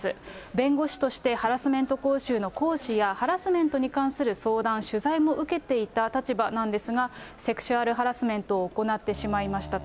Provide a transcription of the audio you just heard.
弁護士としてハラスメント講習の講師や、ハラスメントに関する相談、取材も受けていた立場なんですが、セクシュアルハラスメントを行ってしまいましたと。